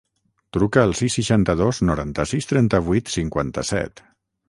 Truca al sis, seixanta-dos, noranta-sis, trenta-vuit, cinquanta-set.